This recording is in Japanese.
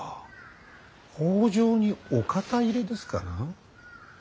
北条にお肩入れですかな。